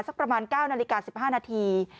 สักประมาณ๙นาฬิกา๑๕นาที